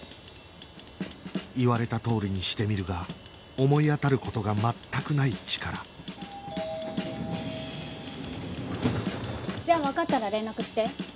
言われたとおりにしてみるが思い当たる事が全くないチカラじゃあわかったら連絡して。